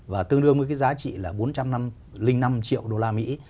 và tương đương với cái giá trị là bốn trăm linh năm triệu đô la mỹ